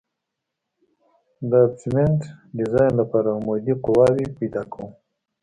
د ابټمنټ ډیزاین لپاره عمودي قواوې پیدا کوو